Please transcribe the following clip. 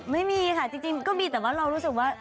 ไม่มีค่ะจริงก็มีแต่ว่าเรารู้สึกว่า